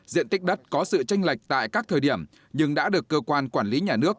diện tích đất có sự tranh lệch tại các thời điểm nhưng đã được cơ quan quản lý nhà nước